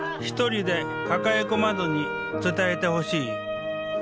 一人で抱え込まずに伝えてほしい。